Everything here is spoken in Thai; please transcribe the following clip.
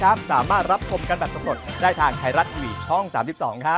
ทำไมว่าใครมันจะเผ้าร้าย